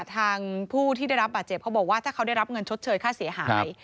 ทางผู้ที่ได้รับบาดเจ็บเขาบอกว่าถ้าเขาได้รับเงินชดเชยค่าเสียหาย